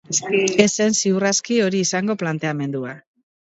Ez zen, ziur aski, hori izango planteamendua.